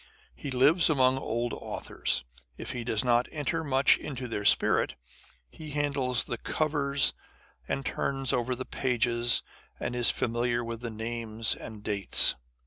He lives among old authors, if he does not enter much into their spirit. He handles the covers, and turns over the page, and is familiar with the names and dates.